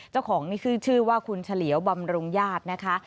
เจ้าของนี่คือชื่อว่าคุณเฉลียวบำรุงญาตินะคะ